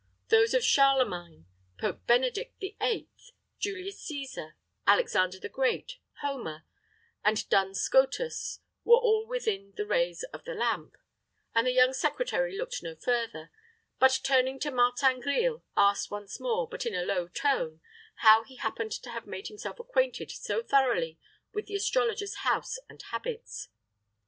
Those of Charlemagne, Pope Benedict the Eighth, Julius Cæsar, Alexander the Great, Homer, and Duns Scotus, were all within the rays of the lamp, and the young secretary looked no further, but, turning to Martin Grille, asked once more, but in a low tone, how he happened to have made himself acquainted so thoroughly with the astrologer's house and habits.